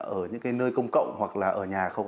ở những nơi công cộng hoặc ở nhà không